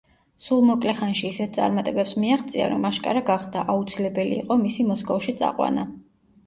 სულ მოკლე ხანში ისეთ წარმატებებს მიაღწია, რომ აშკარა გახდა: აუცილებელი იყო მისი მოსკოვში წაყვანა.